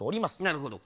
なるほど。